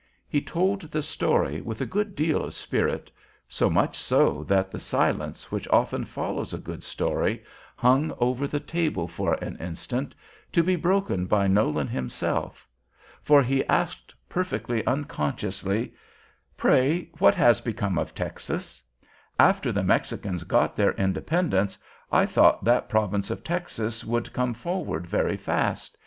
He told the story with a good deal of spirit, so much so, that the silence which often follows a good story hung over the table for an instant, to be broken by Nolan himself. For he asked perfectly unconsciously. "Pray, what has become of Texas? After the Mexicans got their independence, I thought that province of Texas would come forward very fast.